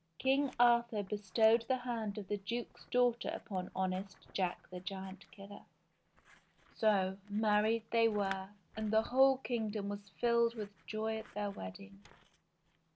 King Arthur bestowed the hand of the duke's daughter upon honest Jack the Giant Killer. So married they were, and the whole kingdom was filled with joy at their wedding.